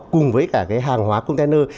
cùng với cả cái hàng hóa container